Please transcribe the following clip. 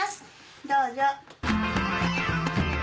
どうぞ。